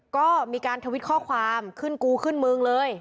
ก็มีการทวิตข้อความขึ้นกูขึ้นมึงเลย